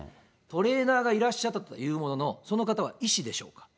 トレーナーがいらっしゃったというものの、その方は医師でしょうか。